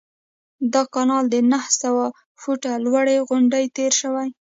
دا کانال د نهه سوه فوټه لوړې غونډۍ تیر شوی.